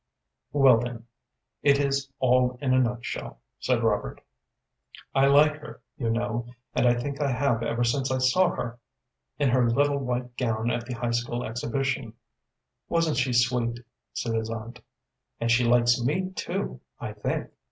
"Well, then, it is all in a nutshell," said Robert. "I like her, you know, and I think I have ever since I saw her in her little white gown at the high school exhibition." "Wasn't she sweet?" said his aunt. "And she likes me, too, I think."